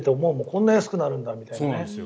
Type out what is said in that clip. こんなに安くなるんだみたいなね。